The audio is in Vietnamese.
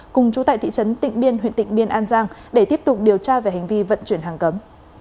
cùng chú tại thị trấn tịnh biên huyện tịnh biên an giang để tiếp tục điều tra về hành vi vận chuyển hàng cấm